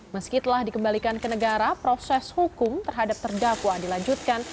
meski telah dikembalikan ke negara proses hukum terhadap terdakwa dilanjutkan